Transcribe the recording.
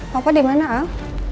papa dimana al